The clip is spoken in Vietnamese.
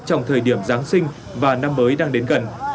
trong thời điểm giáng sinh và năm mới đang đến gần